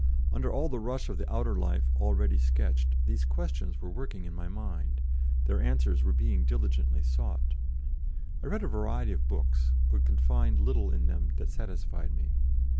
Under all the rush of the outer life, already sketched, these questions were working in my mind, their answers were being diligently sought. I read a variety of books, but could find little in them that satisfied me.